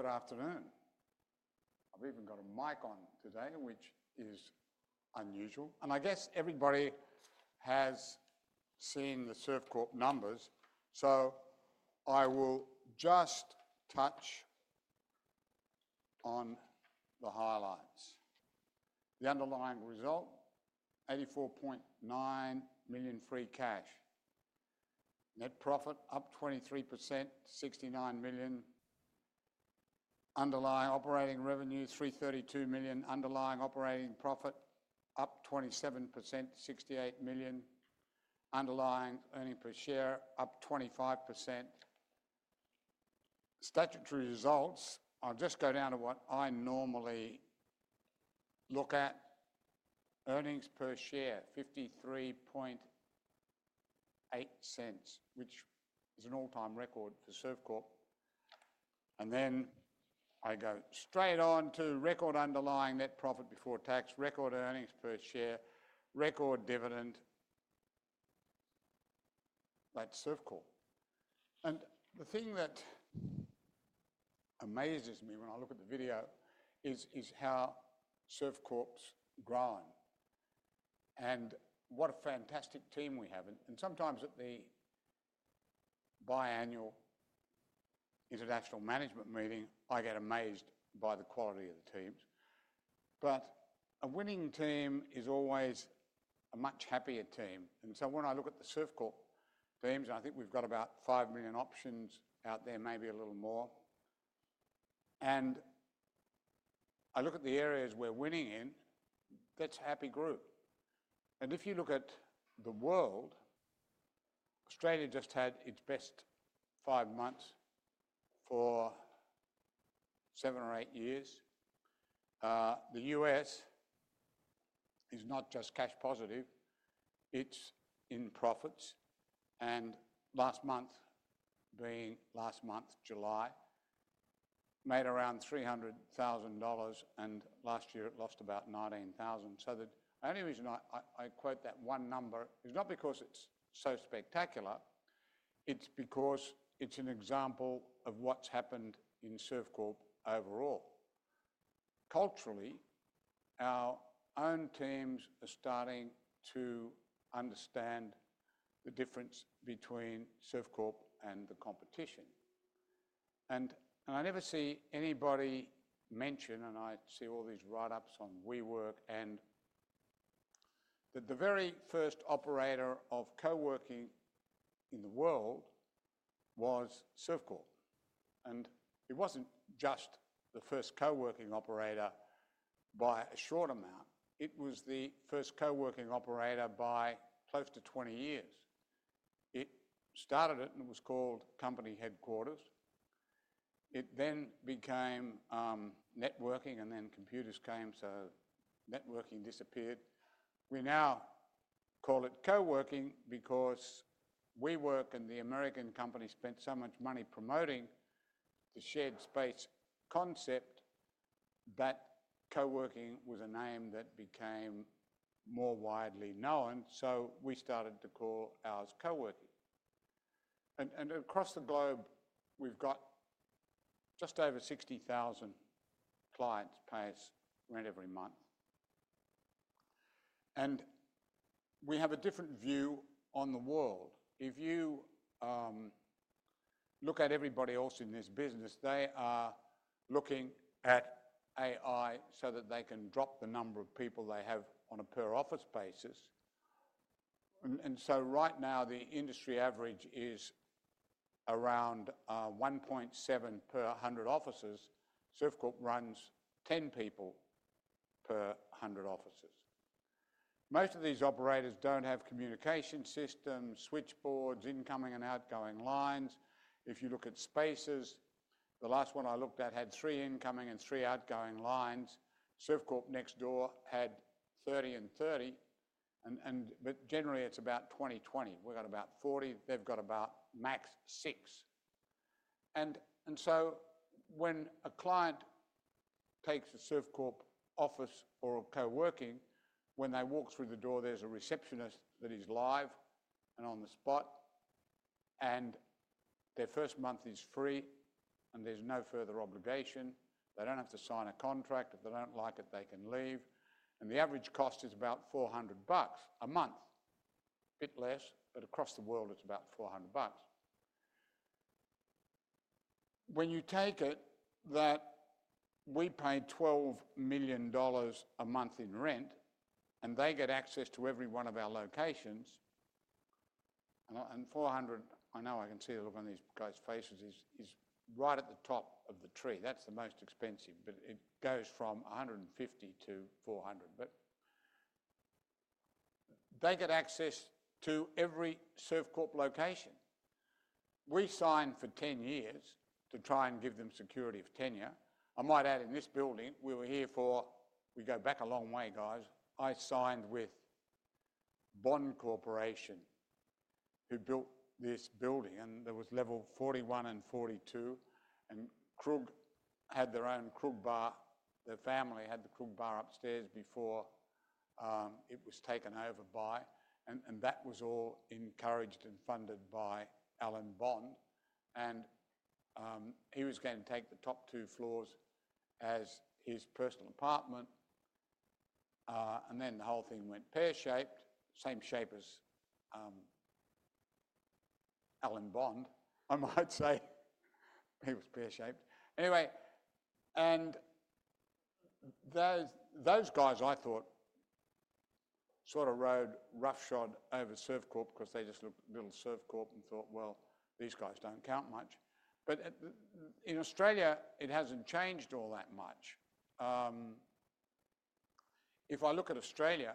Good afternoon. I've even got a mic on today, which is unusual. I guess everybody has seen the Servcorp numbers, so I will just touch on the highlights. The underlying result – $84.9 million free cash. Net profit up 23%, $69 million. Underlying operating revenue – $332 million. Underlying operating profit up 27%, $68 million. Underlying earnings per share up 25%. Statutory results, I'll just go down to what I normally look at – earnings per share $53.8, which is an all-time record for Servcorp. I go straight on to record underlying net profit before tax, record earnings per share, record dividend. That's Servcorp. The thing that amazes me when I look at the video is how Servcorp's grown. What a fantastic team we have. Sometimes at the biannual international management meeting, I get amazed by the quality of the teams. A winning team is always a much happier team. When I look at the Servcorp teams, and I think we've got about 5 million options out there, maybe a little more. I look at the areas we're winning in, that's a happy group. If you look at the world, Australia just had its best five months for seven or eight years. The U.S. is not just cash positive, it's in profits. Last month, being last month, July, made around $300,000. Last year, it lost about $19,000. The only reason I quote that one number is not because it's so spectacular. It's because it's an example of what's happened in Servcorp overall. Culturally, our own teams are starting to understand the difference between Servcorp and the competition. I never see anybody mention, and I see all these write-ups on WeWork, that the very first operator of coworking in the world was Servcorp. It wasn't just the first coworking operator by a short amount. It was the first coworking operator by close to 20 years. It started it and it was called Company Headquarters. It then became networking, and then computers came, so networking disappeared. We now call it coworking because WeWork and the American company spent so much money promoting the shared space concept, that coworking was a name that became more widely known. We started to call ours coworking. Across the globe, we've got just over 60,000 clients pay us rent every month. We have a different view on the world. If you look at everybody else in this business, they are looking at AI so that they can drop the number of people they have on a per-office basis. Right now, the industry average is around 1.7 per 100 offices. Servcorp runs 10 people per 100 offices. Most of these operators don't have communication systems, switchboards, incoming and outgoing lines. If you look at spaces, the last one I looked at had three incoming and three outgoing lines. Servcorp next door had 30 and 30. Generally, it's about 20/20. We've got about 40. They've got about max six. When a client takes a Servcorp office or coworking, when they walk through the door, there's a receptionist that is live and on the spot. Their first month is free, and there's no further obligation. They don't have to sign a contract. If they don't like it, they can leave. The average cost is about $400 a month. A bit less, but across the world, it's about $400. When you take it that we pay $12 million a month in rent, and they get access to every one of our locations, and $400, I know I can see the look on these guys' faces, is right at the top of the tree. That's the most expensive, but it goes from $150-$400. They get access to every Servcorp location. We signed for 10 years to try and give them security of tenure. I might add in this building, we were here for, we go back a long way, guys. I signed with Bond Corporation, who built this building. There was level 41 and 42. Krug had their own Krug Bar. Their family had the Krug Bar upstairs before it was taken over by, and that was all encouraged and funded by Alan Bond. He was going to take the top two floors as his personal apartment. The whole thing went pear-shaped, same shape as Alan Bond, I might say. It was pear-shaped. Those guys I thought sort of rode roughshod over Servcorp because they just looked at little Servcorp and thought, well, these guys don't count much. In Australia, it hasn't changed all that much. If I look at Australia,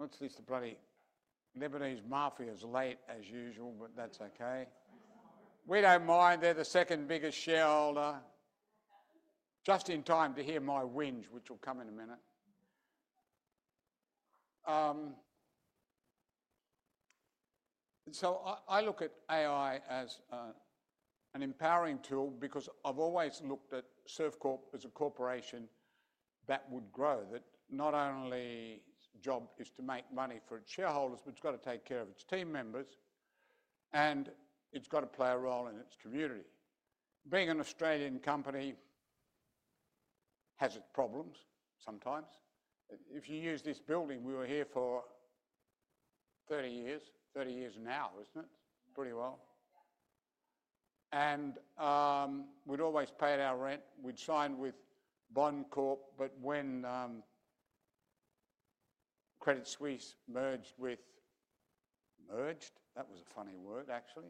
obviously, it's the bloody Lebanese mafia's late as usual, but that's okay. We don't mind. They're the second biggest shareholder. Just in time to hear my whinge, which will come in a minute. I look at AI as an empowering tool because I've always looked at Servcorp as a corporation that would grow, that not only its job is to make money for its shareholders, but it's got to take care of its team members, and it's got to play a role in its community. Being an Australian company has its problems sometimes. If you use this building, we were here for 30 years. 30 years now, isn't it? Pretty well. We'd always paid our rent. We'd signed with Bond Corp, but when Credit Suisse merged with... merged, that was a funny word, actually.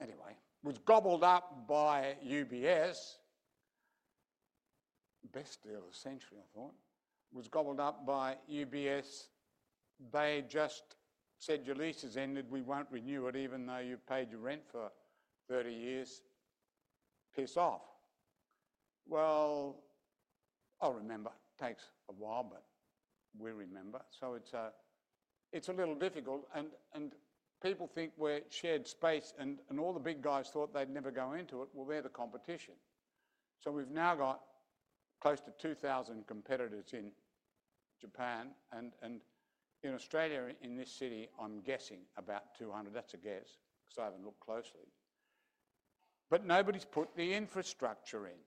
Anyway, was gobbled up by UBS. Best deal of the century, I thought. Was gobbled up by UBS. They just said, "Your lease has ended. We won't renew it even though you've paid your rent for 30 years. Piss off." I'll remember. Takes a while, but we remember. It's a little difficult. People think we're shared space, and all the big guys thought they'd never go into it. They're the competition. We've now got close to 2,000 competitors in Japan. In Australia, in this city, I'm guessing about 200. That's a guess because I haven't looked closely. Nobody's put the infrastructure in.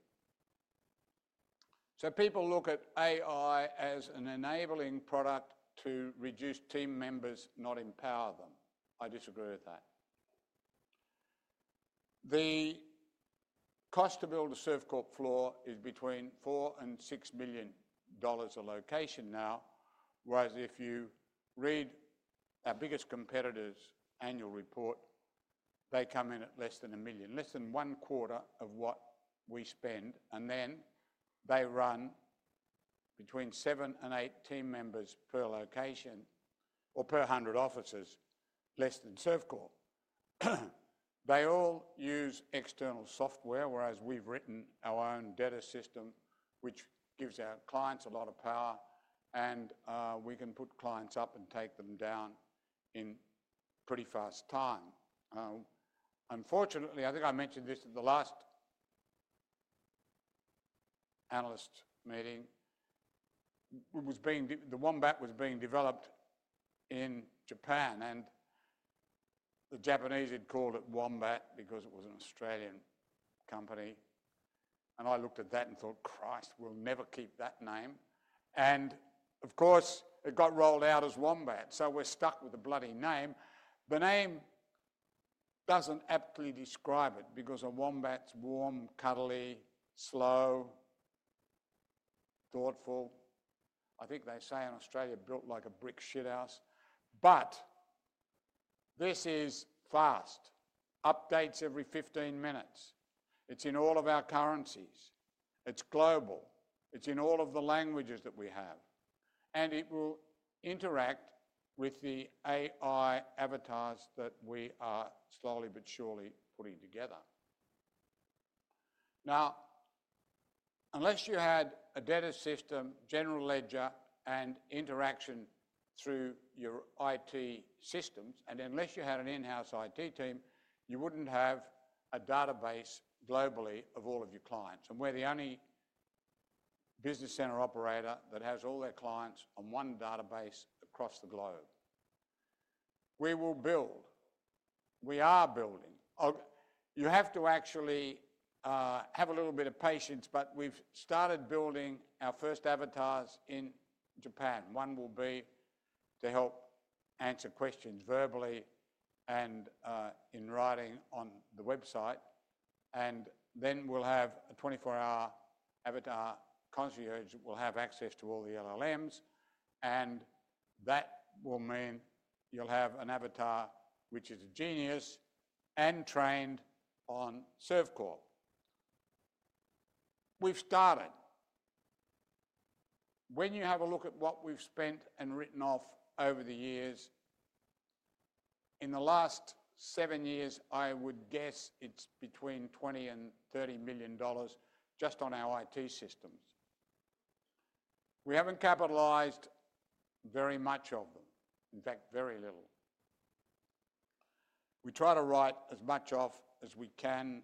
People look at AI as an enabling product to reduce team members, not empower them. I disagree with that. The cost to build a Servcorp floor is between $4 million and $6 million a location now, whereas if you read our biggest competitors' annual report, they come in at less than $1 million, less than one quarter of what we spend. They run between seven and eight team members per location or per 100 offices, less than Servcorp. They all use external software, whereas we've written our own data system, which gives our clients a lot of power. We can put clients up and take them down in pretty fast time. I think I mentioned this at the last analyst meeting. The Wombat was being developed in Japan. The Japanese had called it Wombat because it was an Australian company. I looked at that and thought, "Christ, we'll never keep that name." Of course, it got rolled out as Wombat. We're stuck with the bloody name. The name doesn't aptly describe it because a wombat's warm, cuddly, slow, thoughtful. I think they say in Australia, "Built like a brick shithouse." This is fast. Updates every 15 minutes. It's in all of our currencies. It's global. It's in all of the languages that we have. It will interact with the AI avatars that we are slowly but surely putting together. Unless you had a data system, general ledger, and interaction through your IT systems, and unless you had an in-house IT team, you wouldn't have a database globally of all of your clients. We're the only business center operator that has all their clients on one database across the globe. We will build. We are building. You have to actually have a little bit of patience, but we've started building our first avatars in Japan. One will be to help answer questions verbally and in writing on the website. Then we'll have a 24-hour avatar concierge that will have access to all the LLMs. That will mean you'll have an avatar which is a genius and trained on Servcorp. We've started. When you have a look at what we've spent and written off over the years, in the last seven years, I would guess it's between $20 million and $30 million just on our IT systems. We haven't capitalized very much of them. In fact, very little. We try to write as much off as we can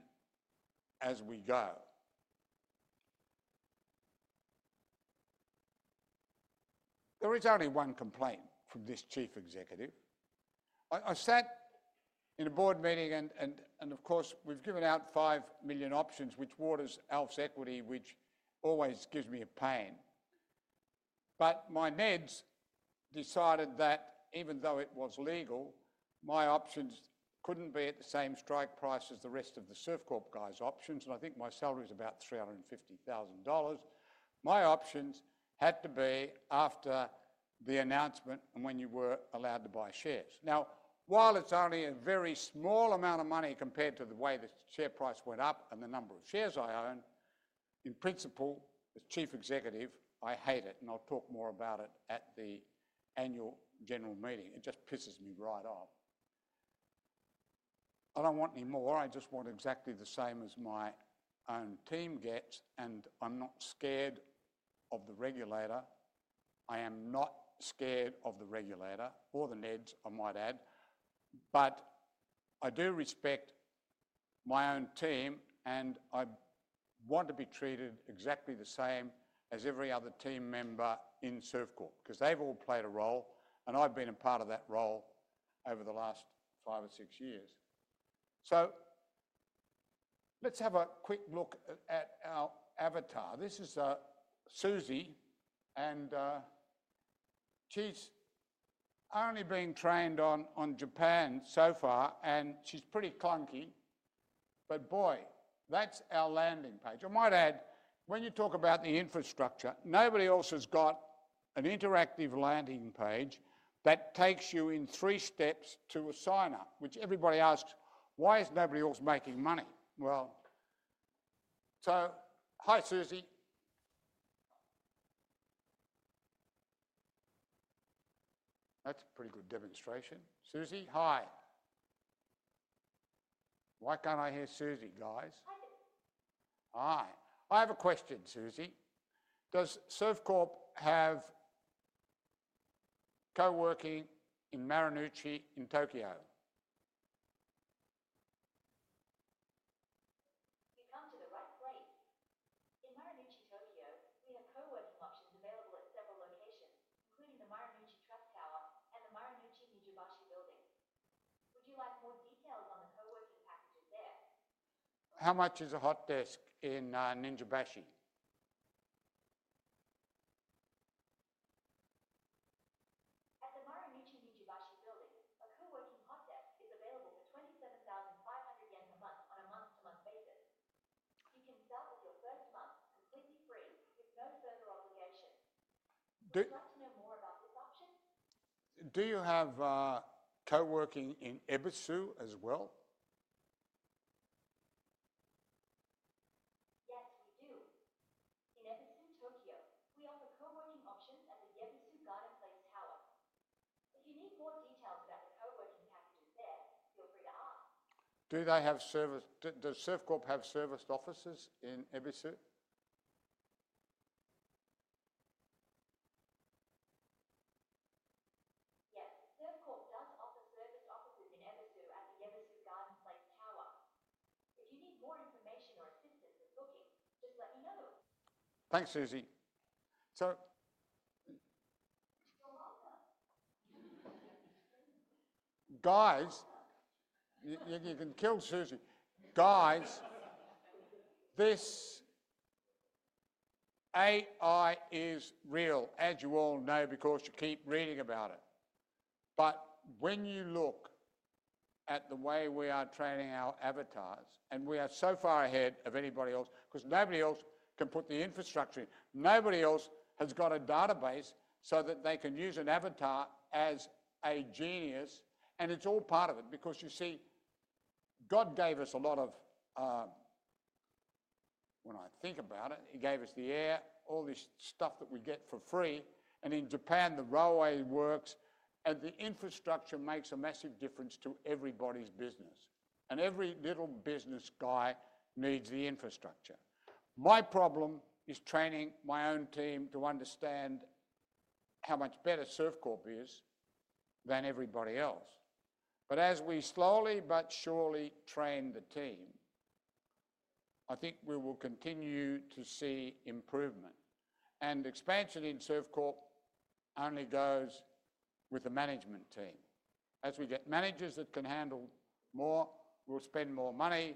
as we go. There is only one complaint from this Chief Executive. I sat in a board meeting and, of course, we've given out 5 million options, which waters Alf's equity, which always gives me a pain. My meds decided that even though it was legal, my options couldn't be at the same strike price as the rest of the Servcorp guys' options. I think my salary is about $350,000. My options had to be after the announcement and when you were allowed to buy shares. Now, while it's only a very small amount of money compared to the way the share price went up and the number of shares I own, in principle, as Chief Executive, I hate it. I'll talk more about it at the annual general meeting. It just pisses me right off. I don't want any more. I just want exactly the same as my own team gets. I'm not scared of the regulator. I am not scared of the regulator or the meds, I might add. I do respect my own team, and I want to be treated exactly the same as every other team member in Servcorp because they've all played a role, and I've been a part of that role over the last five or six years. Let's have a quick look at our avatar. This is a Susie, and she's only been trained on Japan so far, and she's pretty clunky. Boy, that's our landing page. I might add, when you talk about the infrastructure, nobody else has got an interactive landing page that takes you in three steps to a sign-up, which everybody asks, "Why is nobody else making money?" Hi, Susie. That's a pretty good demonstration. Susie, hi. Why can't I hear Susie, guys? Hi. I have a question, Susie. Does Servcorp have coworking in Marunouchi in Tokyo? You've come to the right place. In Marunouchi, Tokyo, we have coworking options available at several locations, including the Marunouchi Trust Tower and the Marunouchi Nijubashi Building. How much is a hot desk in Nijubashi? At the Marunouchi Nijubashi Building, a coworking hot desk is available for JYP 27,500 a month on a month-to-month basis. You can start with your first month completely. Do you have Coworking Spaces in Ebisu as well? We do. In Ebisu, Tokyo, we offer Coworking Spaces at the Ebisu Garden Place Tower. Do they have service? Does Servcorp have Serviced Offices in Ebisu? Servcorp does offer Serviced Offices in Ebisu at the Ebisu Garden Place Tower. If you need more information or assistance with booking, just let me know. Thanks, Susie. You can kill Susie. This AI is real, as you all know, because you keep reading about it. When you look at the way we are training our avatars, we are so far ahead of anybody else because nobody else can put the infrastructure in. Nobody else has got a database so that they can use an avatar as a genius. It's all part of it because you see, God gave us a lot of, when I think about it, He gave us the air, all this stuff that we get for free. In Japan, the railway works, and the infrastructure makes a massive difference to everybody's business. Every little business guy needs the infrastructure. My problem is training my own team to understand how much better Servcorp is than everybody else. As we slowly but surely train the team, I think we will continue to see improvement. Expansion in Servcorp only goes with the management team. As we get managers that can handle more, we'll spend more money.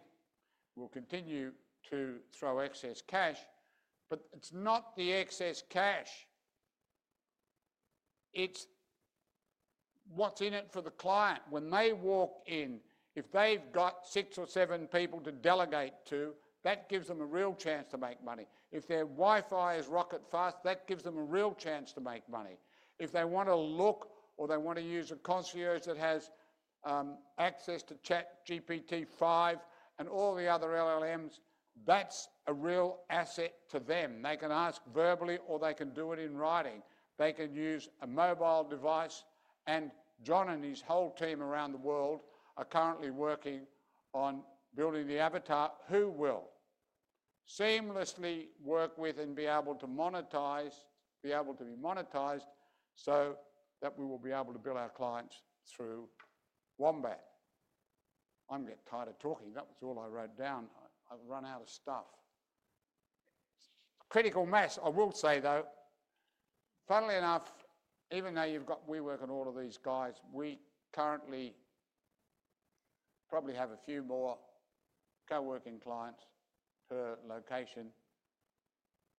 We'll continue to throw excess cash. It's not the excess cash. It's what's in it for the client. When they walk in, if they've got six or seven people to delegate to, that gives them a real chance to make money. If their Wi-Fi is rocket fast, that gives them a real chance to make money. If they want to look or they want to use a concierge that has access to ChatGPT-5 and all the other LLMs, that's a real asset to them. They can ask verbally or they can do it in writing. They can use a mobile device. John and his whole team around the world are currently working on building the avatar who will seamlessly work with and be able to monetize, be able to be monetized so that we will be able to bill our clients through Wombat. I'm getting tired of talking. That was all I wrote down. I've run out of stuff. Critical mass, I will say, though. Funnily enough, even though you've got WeWork and all of these guys, we currently probably have a few more coworking clients per location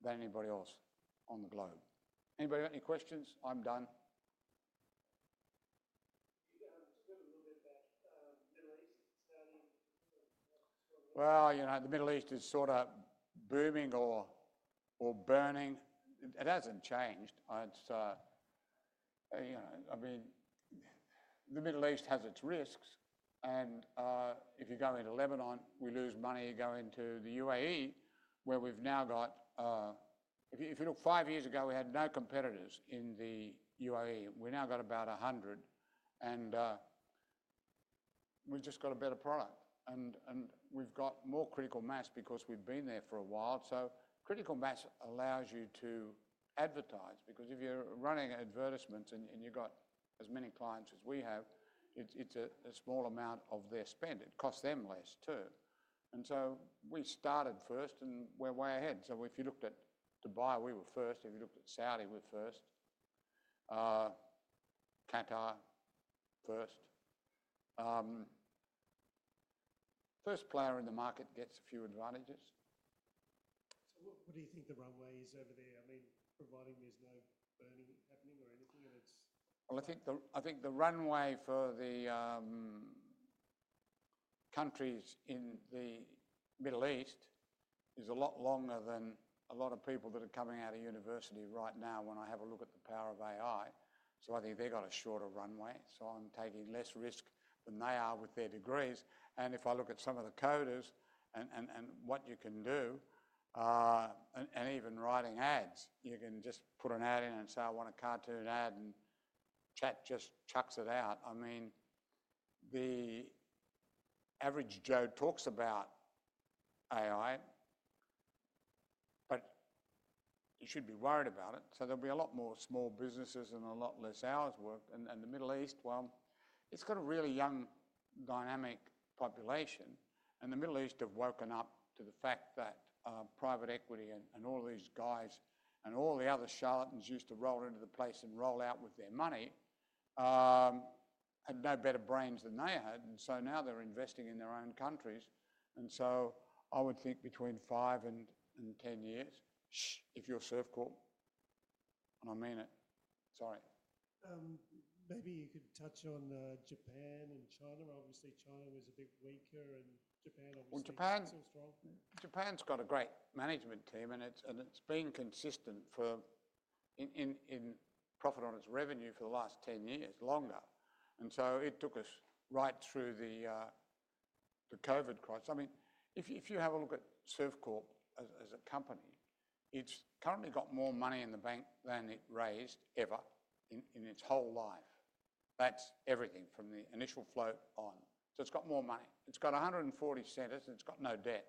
than anybody else on the globe. Anybody got any questions? I'm done. The Middle East is sort of booming or burning. It hasn't changed. The Middle East has its risks. If you go into Lebanon, we lose money. You go into the UAE, where we've now got, if you look five years ago, we had no competitors in the UAE. We now got about 100. We've just got a better product. We've got more critical mass because we've been there for a while. Critical mass allows you to advertise because if you're running advertisements and you've got as many clients as we have, it's a small amount of their spend. It costs them less too. We started first and we're way ahead. If you looked at Dubai, we were first. If you looked at Saudi Arabia, we were first. Qatar first. First player in the market gets a few advantages. What do you think the runway is over there? I mean, providing there's no burning happening or anything, it's. I think the runway for the countries in the Middle East is a lot longer than a lot of people that are coming out of university right now when I have a look at the power of AI. I think they've got a shorter runway. I'm taking less risk than they are with their degrees. If I look at some of the coders and what you can do, and even writing ads, you can just put an ad in and say, "I want a cartoon ad," and chat just chucks it out. The average Joe talks about AI, but you should be worried about it. There'll be a lot more small businesses and a lot less hours worked. The Middle East has got a really young dynamic population. The Middle East have woken up to the fact that private equity and all of these guys and all the other charlatans used to roll into the place and roll out with their money had no better brains than they had. Now they're investing in their own countries. I would think between five and ten years, if you're Servcorp, and I mean it. Sorry. Maybe you could touch on Japan and China. Obviously, China was a bit weaker, and Japan obviously is still strong. Japan's got a great management team, and it's been consistent for in profit on its revenue for the last 10 years, longer. It took us right through the COVID crisis. If you have a look at Servcorp as a company, it's currently got more money in the bank than it raised ever in its whole life. That's everything from the initial float on. It's got more money, it's got 140 centers, and it's got no debt.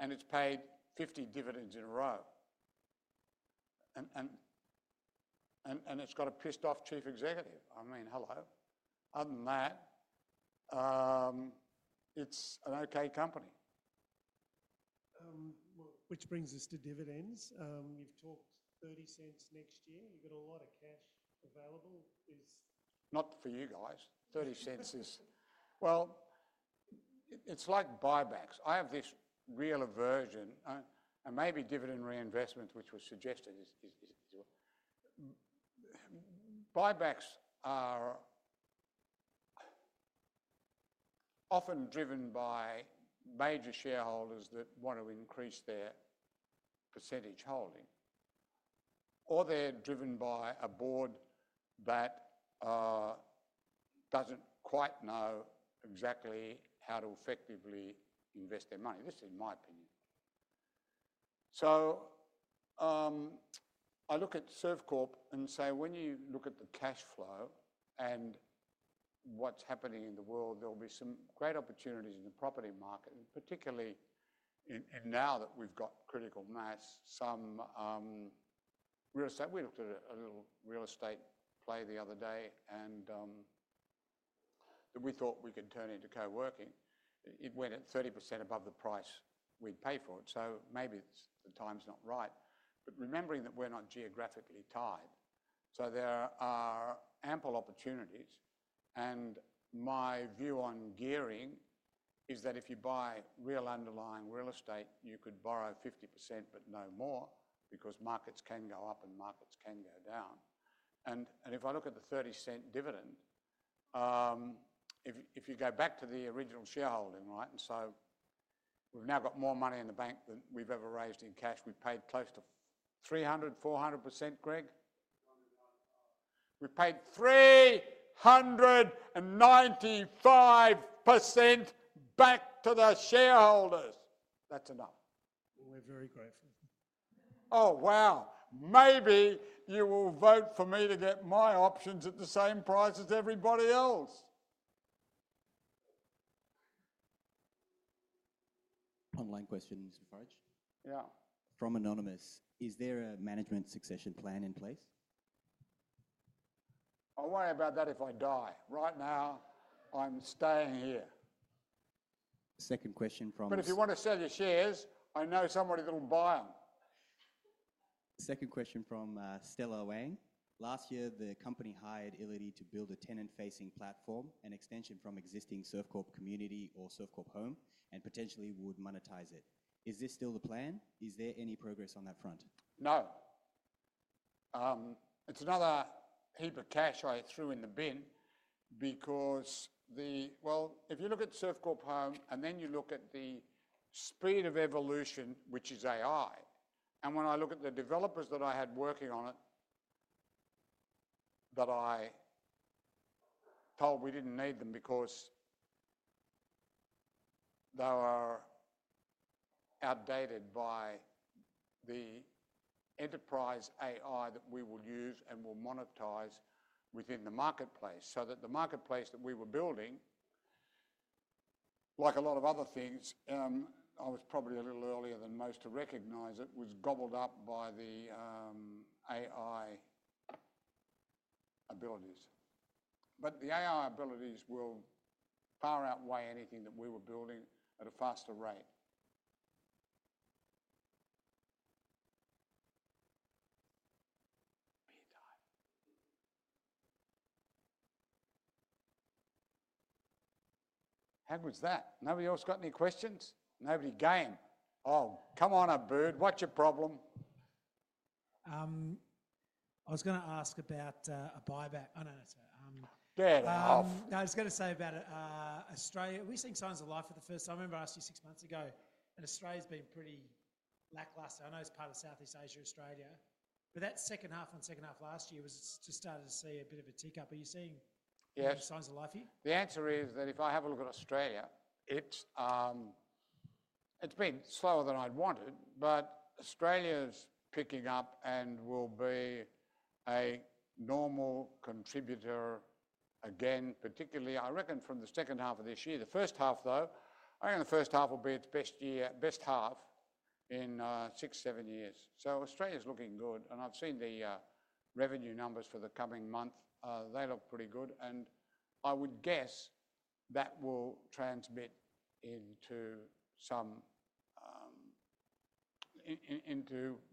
It's paid 50 dividends in a row, and it's got a pissed-off Chief Executive. I mean, hello. Other than that, it's an okay company. Which brings us to dividends. You've talked $0.30 next year. You've got a lot of cash available. Not for you guys. $0.30 is, well, it's like buybacks. I have this real aversion, and maybe dividend reinvestments, which was suggested. Buybacks are often driven by major shareholders that want to increase their percentage holding, or they're driven by a board that doesn't quite know exactly how to effectively invest their money. This is my opinion. I look at Servcorp Limited and say, when you look at the cash flow and what's happening in the world, there'll be some great opportunities in the property market, particularly now that we've got critical mass, some real estate. We looked at a little real estate play the other day that we thought we could turn into coworking. It went at 30% above the price we'd pay for it. Maybe the time's not right. Remembering that we're not geographically tied, there are ample opportunities. My view on gearing is that if you buy real underlying real estate, you could borrow 50% but no more because markets can go up and markets can go down. If I look at the $0.30 dividend, if you go back to the original shareholding, right, we've now got more money in the bank than we've ever raised in cash. We've paid close to 300%, 400%, Greg. We've paid 395% back to the shareholders. That's enough. We're very grateful. Oh, wow. Maybe you will vote for me to get my options at the same price as everybody else. Online questions, Faraj? Yeah. From Anonymous, is there a management succession plan in place? I'll worry about that if I die. Right now, I'm staying here. Second question from. If you want to sell your shares, I know somebody that'll buy them. Second question from Stella Wang. Last year, the company hired Illity to build a tenant-facing platform, an extension from existing Servcorp Community or Servcorp Home, and potentially would monetize it. Is this still the plan? Is there any progress on that front? No. It's another heap of cash I threw in the bin because, if you look at Servcorp Home and then you look at the speed of evolution, which is AI. When I look at the developers that I had working on it, that I told we didn't need them because they were outdated by the enterprise AI that we will use and will monetize within the marketplace. The marketplace that we were building, like a lot of other things, I was probably a little earlier than most to recognize it, was gobbled up by the AI abilities. The AI abilities will far outweigh anything that we were building at a faster rate. How was that? Nobody else got any questions? Nobody? Game. Oh, come on, a bird. What's your problem? I was going to ask about a buyback. I know that's a. Dead ass. No, I was going to say about Australia. Are we seeing signs of life for the first time? I remember I asked you six months ago, and Australia's been pretty lackluster. I know it's part of Southeast Asia, Australia. That second half and second half last year, we just started to see a bit of a tick up. Are you seeing signs of life here? The answer is that if I have a look at Australia, it's been slower than I'd wanted, but Australia's picking up and will be a normal contributor again, particularly, I reckon, from the second half of this year. The first half, though, I reckon the first half will be its best year, best half in six, seven years. Australia's looking good. I've seen the revenue numbers for the coming month. They look pretty good. I would guess that will transmit into some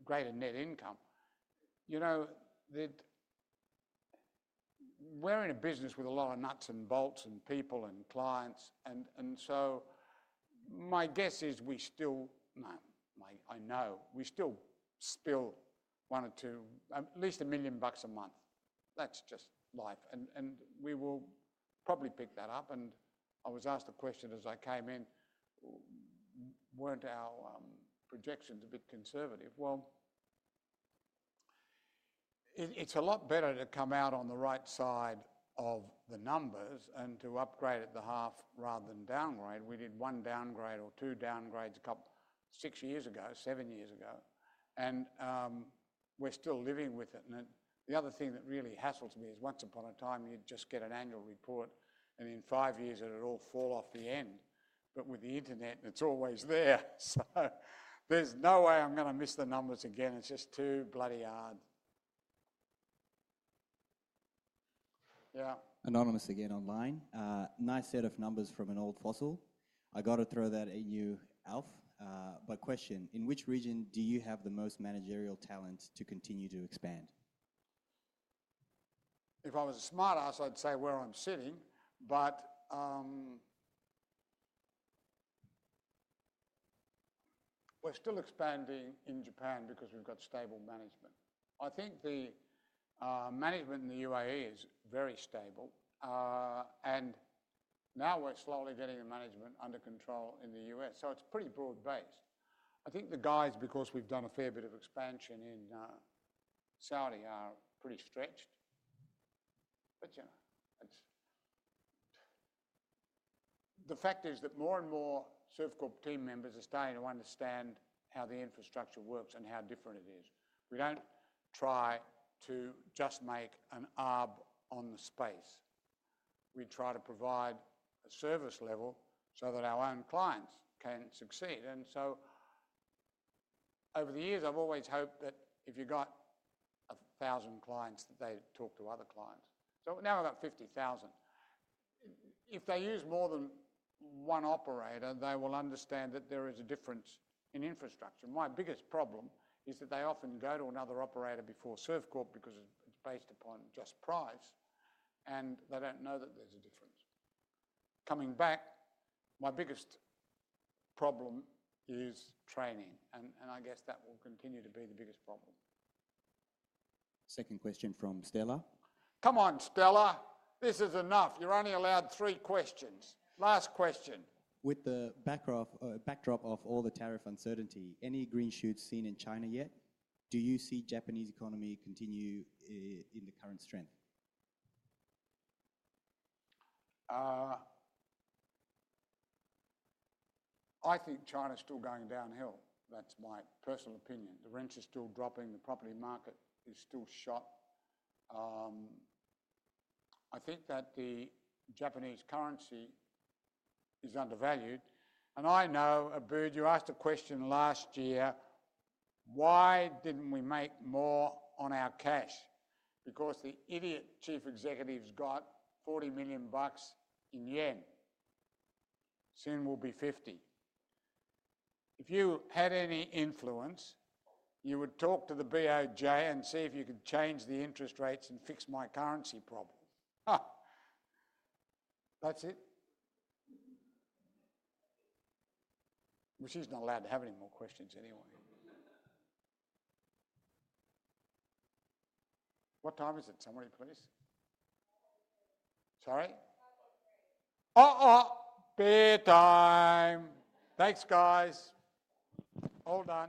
greater net income. You know that we're in a business with a lot of nuts and bolts and people and clients. My guess is we still, no, I know, we still spill one or two, at least $1 million a month. That's just life. We will probably pick that up. I was asked a question as I came in. Weren't our projections a bit conservative? It's a lot better to come out on the right side of the numbers and to upgrade at the half rather than downgrade. We did one downgrade or two downgrades a couple of six years ago, seven years ago. We're still living with it. The other thing that really hassles me is once upon a time, you'd just get an annual report, and in five years, it would all fall off the end. With the internet, it's always there. There's no way I'm going to miss the numbers again. It's just too bloody hard. Yeah. Anonymous again online. Nice set of numbers from an old fossil. I got to throw that at you, Alf. Question, in which region do you have the most managerial talent to continue to expand? If I was a smartass, I'd say where I'm sitting. We're still expanding in Japan because we've got stable management. I think the management in the UAE is very stable. Now we're slowly getting the management under control in the U.S. It's pretty broad-based. I think the guys, because we've done a fair bit of expansion in Saudi Arabia, are pretty stretched. The fact is that more and more Servcorp team members are starting to understand how the infrastructure works and how different it is. We don't try to just make an arb on the space. We try to provide a service level so that our own clients can succeed. Over the years, I've always hoped that if you got 1,000 clients, that they talk to other clients. Now we're about 50,000. If they use more than one operator, they will understand that there is a difference in infrastructure. My biggest problem is that they often go to another operator before Servcorp because it's based upon just price. They don't know that there's a difference. Coming back, my biggest problem is training. I guess that will continue to be the biggest problem. Second question from Stella. Come on, Stella. This is enough. You're only allowed three questions. Last question. With the backdrop of all the tariff uncertainty, any green shoots seen in China yet? Do you see the Japanese economy continue in the current strength? I think China is still going downhill. That's my personal opinion. The rents are still dropping. The property market is still shot. I think that the Japanese currency is undervalued. I know, Alfred, you asked a question last year, why didn't we make more on our cash? Because the idiot Chief Executive's got JYP 40 million in yen. Soon it'll be JYP 50 million. If you had any influence, you would talk to the BOJ and see if you could change the interest rates and fix my currency problem. That's it. She's not allowed to have any more questions anyway. What time is it? Somebody please. Sorry? Oh, oh, beer time. Thanks, guys. Hold on.